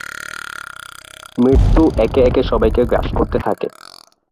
মৃত্যু একে একে সবাইকে গ্রাস করতে থাকে।